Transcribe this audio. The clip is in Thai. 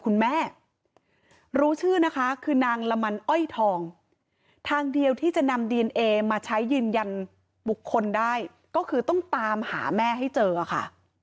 คุณแม่รู้ชื่อนะคะคือนางละมันอ้อยทองทางเดียวที่จะนำดีเอนเอมาใช้ยืนยันบุคคลได้ก็คือต้องตามหาแม่ให้เจอค่ะ